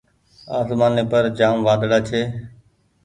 آسمآني پر جآم وآۮڙآ ڇي۔